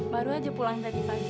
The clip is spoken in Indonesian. baru aja pulang tadi pagi